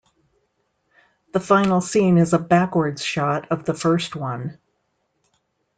The final scene is a backwards shot of the first one.